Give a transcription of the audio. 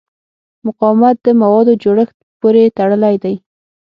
مقاومت د موادو جوړښت پورې تړلی دی.